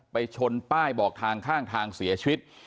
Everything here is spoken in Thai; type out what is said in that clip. ชนป้ายบอกทางข้างทางเสียชีวิต